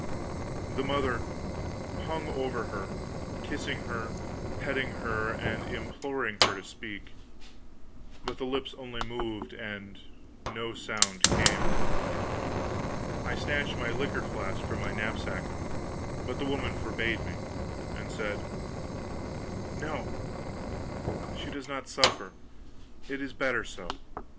The mother hung over her, kissing her, petting her, and imploring her to speak, but the lips only moved and no sound came. I snatched my liquor flask from my knapsack, but the woman forbade me, and said: "No she does not suffer; it is better so.